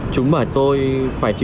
chúng bảo tôi phải trả tiền